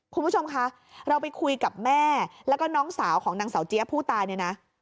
คุณผู้ชมคะเราไปคุยกับแม่แล้วก็น้องสาวของนางสาวเจี๊ยบผู้ตายเนี่ยนะ